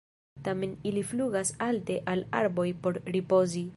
Tamen ili flugas alte al arboj por ripozi.